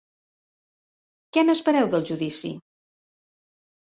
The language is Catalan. Què n’espereu del judici?